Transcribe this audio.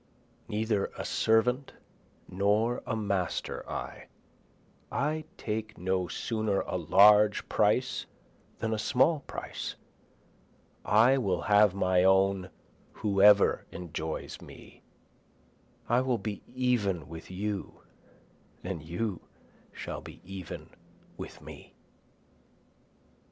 Neither a servant nor a master I, I take no sooner a large price than a small price, I will have my own whoever enjoys me, I will be even with you and you shall be even with me.